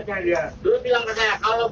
kan dulu pernah ingat saya nggak